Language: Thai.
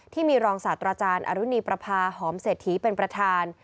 ที่มีรองศาสตราจารย์อรุณีประพาหอมเศรษฐีเป็นประธาน